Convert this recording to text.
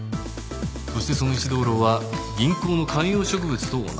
そしてその石灯籠は銀行の観葉植物と同じ高さ。